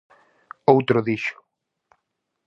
Outro dixo: